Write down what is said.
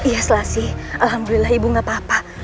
ya selasih alhamdulillah ibu apa apa